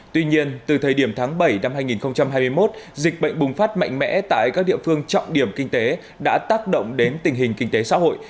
tuy nhiên từ thời điểm tháng bảy năm hai nghìn hai mươi một dịch bệnh bùng phát mạnh mẽ tại các địa phương trọng điểm kinh tế đã tác động đến tình hình kinh tế xã hội